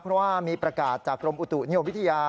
เพราะว่ามีประกาศจากกรมอุตุนิยมวิทยา